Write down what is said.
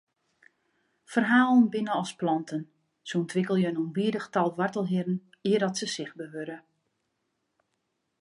Ferhalen binne as planten, se ûntwikkelje in ûnbidich tal woartelhierren eardat se sichtber wurde.